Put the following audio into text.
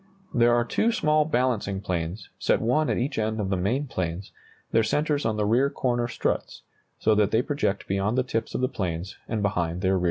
There are two small balancing planes, set one at each end of the main planes, their centres on the rear corner struts, so that they project beyond the tips of the planes and behind their rear lines.